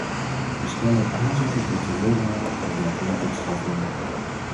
We stellen het aanzetten tot terreurdaden al daadwerkelijk strafbaar.